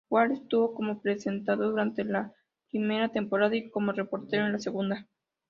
Wald estuvo como presentador durante la primera temporada, y como reportero en la segunda.